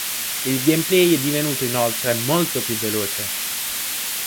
Il gameplay è divenuto inoltre molto più veloce.